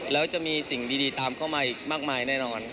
แล้วจะมีสิ่งดีตามเข้ามาอีกมากมายแน่นอน